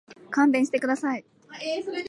勘弁してください。